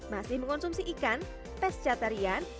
masih mengonsumsi ikan pescatarian